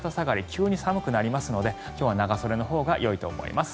急に寒くなりますので今日は長袖のほうがよいと思います。